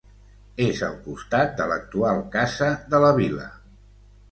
És al costat de l'actual Casa de la Vila.